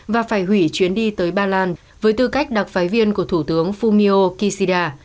và phải hủy chuyến đi tới ba lan với tư cách đặc phái viên của thủ tướng fumio kishida